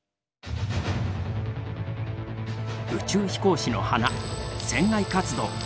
宇宙飛行士の華船外活動。